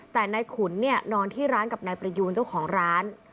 แต่นายขุนเนี่ยนอนที่ร้านกับนายประยูนเจ้าของร้าน